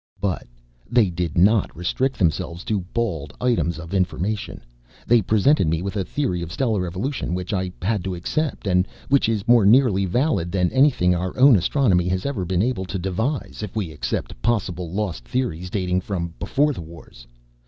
"But they did not restrict themselves to bald items of information. They presented me with a theory of stellar evolution which I had to accept and which is more nearly valid than anything our own astronomy has ever been able to devise, if we except possible lost theories dating from Beforethewars.